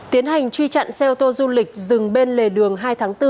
tiến hành truy chặn xe ô tô du lịch dừng bên lề đường hai tháng bốn